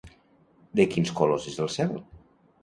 De quins colors és el cel?